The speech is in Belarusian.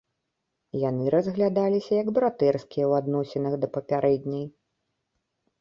Яны разглядаліся як братэрскія ў адносінах да папярэдняй.